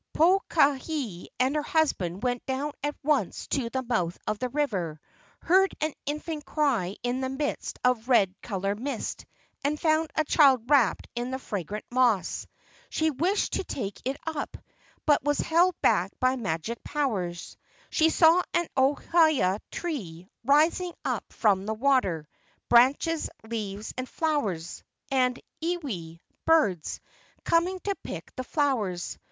Pokahi and her husband went down at once to the mouth of the river, heard an infant cry in the midst of red colored mist, and found a child wrapped in the fragrant moss. She wished to take it up, but was held back by magic powers. She saw an ohia tree rising up from the water, —branches, leaves, and flowers,—and iiwi (birds) coming to pick the flowers.